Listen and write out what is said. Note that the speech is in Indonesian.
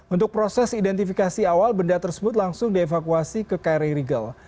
untuk proses identifikasi awal benda tersebut langsung dievakuasi ke kri rigel